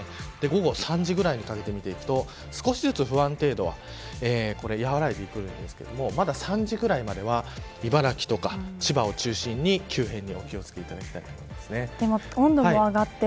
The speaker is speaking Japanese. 午後３時ぐらいにかけて見ていくと少しずつ不安定度は和らいでくるんですけどまだ３時くらいまでは茨城とか千葉を中心に急変にお気を付けいただきたいと思います。